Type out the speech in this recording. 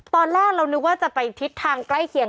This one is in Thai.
ตอนแรกเรานึกว่าจะไปทิศทางใกล้เคียง